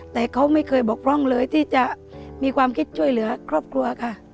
แต่เขาไม่เคยบกพร่องเลยที่จะมีความคิดช่วยเหลือครอบครัวค่ะ